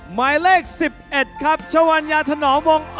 หมายเลข๑๑ครับชะวัญญาถนอมวงอ๋อมแอมครับ